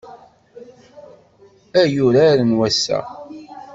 Ay urar n wass-a.